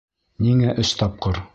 Ниңә өс тапҡыр?